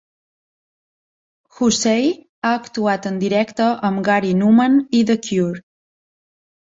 Hussey ha actuat en directe amb Gary Numan i The Cure.